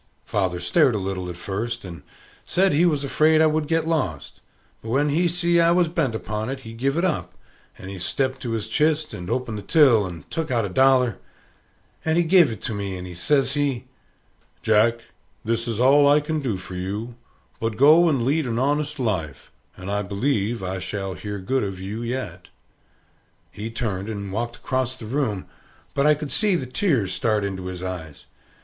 Father stared a little at first, and said he was afraid I would get lost; but when he see I was bent upon it, he give it up, and he stepped to his chist, and opened the till, and took out a dollar, and he gave it to me; and says he, "Jack, this is all I can do for you; but go and lead an honest life, and I believe I shall hear good of you yet." He turned and walked across the room, but I could see the tears start into his eyes.